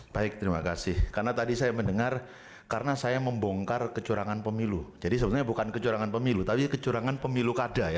baik terima kasih karena tadi saya mendengar karena saya membongkar kecurangan pemilu jadi sebenarnya bukan kecurangan pemilu tapi kecurangan pemilu kada ya